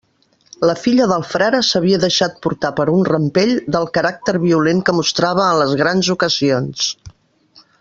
La filla del Frare s'havia deixat portar per un rampell del caràcter violent que mostrava en les grans ocasions.